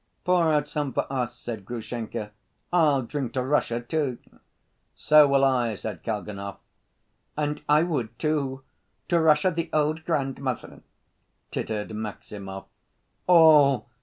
"Pour out some for us," said Grushenka; "I'll drink to Russia, too!" "So will I," said Kalganov. "And I would, too ... to Russia, the old grandmother!" tittered Maximov. "All!